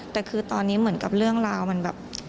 แต่คือตอนนี้เหมือนกับเรื่องราวมันแบบ